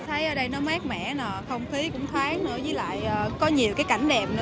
thấy ở đây nó mát mẻ nè không khí cũng thoáng nữa với lại có nhiều cái cảnh đẹp nữa